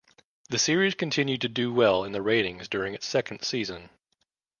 The series continued to do well in the ratings during its second season.